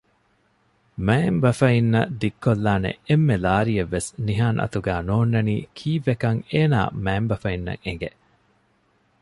މައިންބަފައިންނަށް ދިއްކޮލާނެ އެންމެ ލާރިއެއްވެސް ނިހާން އަތުގާ ނޯންނަނީ ކީއްވެކަން އޭނާ މައިންބަފައިންނަށް އެނގެ